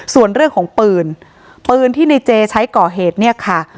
ส่วนเรื่องของปืนปืนที่ในเจใช้ก่อเหตุเนี่ยค่ะ